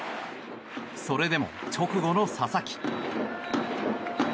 それでも直後の佐々木。